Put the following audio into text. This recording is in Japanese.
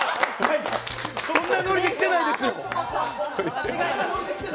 そんなノリで来てないです！